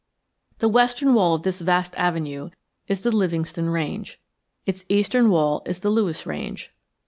The western wall of this vast avenue is the Livingston Range. Its eastern wall is the Lewis Range.